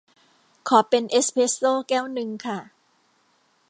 ขอเป็นเอสเพรสโซแก้วนึงค่ะ